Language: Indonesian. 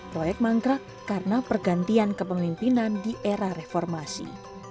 proyek mangkrak karena pergantian kepemimpinan di era reformasi